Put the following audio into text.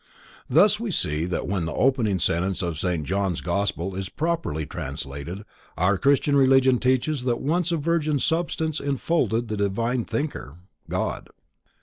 Thus we see that when the opening sentence of St. John's gospel is properly translated, our Christian Religion teaches that once a virgin substance enfolded the divine Thinker:—God.